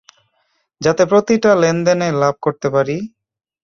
যাতে প্রতিটা লেনদেনে লাভ করতে পারি?